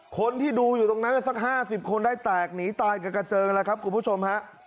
คนที่ดูอยู่ตรงนั้นสัก๕๐คนได้แตกหนีตายกันกระเจิงแล้วครับคุณผู้ชมฮะ